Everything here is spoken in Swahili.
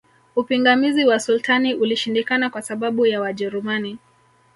Upingamizi wa Sultani ulishindikana kwa sababu ya Wajerumani